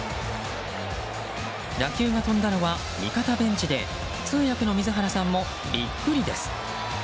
打球が飛んだのは味方ベンチで通訳の水原さんもビックリです。